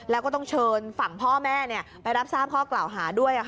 แล้วก็ต้องเชิญฝั่งพ่อแม่ไปรับทราบข้อกล่าวหาด้วย